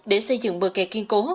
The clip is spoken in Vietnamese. để xây dựng bờ kè kiên cố